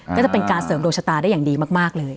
ก็จะเป็นการเสริมดวงชะตาได้อย่างดีมากเลย